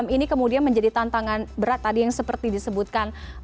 ini kemudian menjadi tantangan berat tadi yang seperti disebutkan